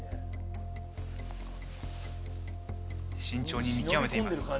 慎重に見極めています。